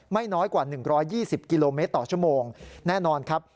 ไม่น้อยกว่า๑๒๐กิโลเมตรต่อชั่วโมงแน่นอนครับ